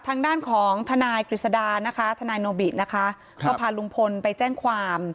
ทางด้านของทนกริษดาทนโนบิดพาลุงพนฯไปแจ้งความ